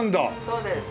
そうです。